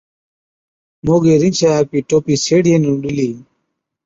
موڳي رِينڇَي آپڪِي ٽوپِي سيهڙِيئي نُون ڏِلِي۔